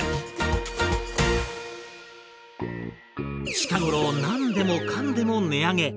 近頃何でもかんでも値上げ。